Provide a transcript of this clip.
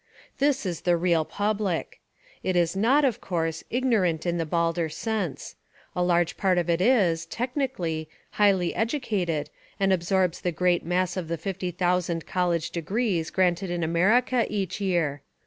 This is the real public. It is not, of course, ignorant in the balder sense. A large part of it is, technically, highly educated and absorbs the great mass of the fifty thousand col lege degrees granted in America each year.